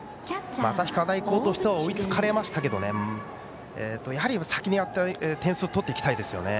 旭川大高としては追いつかれましたがやはり先に点数を取っていきたいですね。